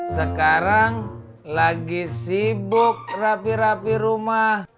sekarang lagi sibuk rapi rapi rumah